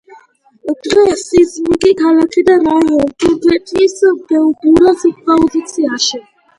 დღეს იზნიქი, ქალაქი და რაიონი თურქეთის ბურსას პროვინციაში.